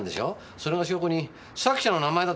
それの証拠に作者の名前だって書いてない。